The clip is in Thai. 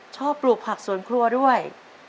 ปลูกผักสวนครัวด้วย